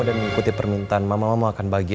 dan mengikuti permintaan mama mama akan bahagia